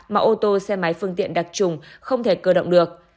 mà ô tô xe máy phương tiện đặc trùng không thể cơ động được